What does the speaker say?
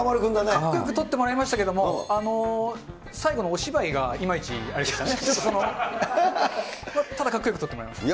かっこよく撮ってもらいましたけども、最後のお芝居がいまいち、あれでしたね。